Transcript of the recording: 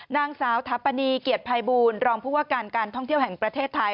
นางสาวถาปนีเกียรติภัยบูรณรองผู้ว่าการการท่องเที่ยวแห่งประเทศไทย